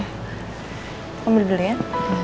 aku ambil belian